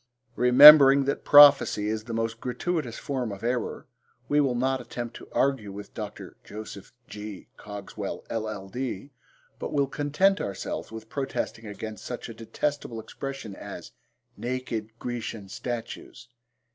Remembering that prophecy is the most gratuitous form of error, we will not attempt to argue with Dr. Jos. G. Cogswell, LL.D., but will content ourselves with protesting against such a detestable expression as 'naked Grecian statues.'